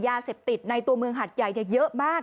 ยาเสพติดในตัวเมืองหัดใหญ่เยอะมาก